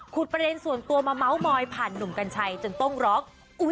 ประเด็นส่วนตัวมาเมาส์มอยผ่านหนุ่มกัญชัยจนต้องร้อง